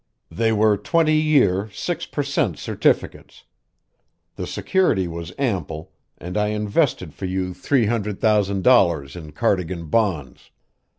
They were twenty year six per cent. certificates; the security was ample, and I invested for you three hundred thousand dollars in Cardigan bonds.